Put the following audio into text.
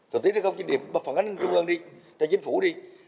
thủ tướng không chỉ phản ánh chung ơn đi cho chính phủ đi